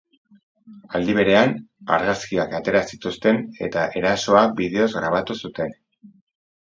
Aldi berean, argazkiak atera zituzten eta erasoa bideoz grabatu zuten.